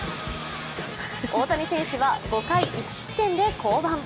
大谷選手は５回１失点で降板。